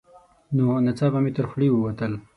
نو ناڅاپه مې تر خولې ووتل: